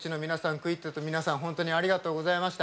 クインテットの皆さん本当にありがとうございました。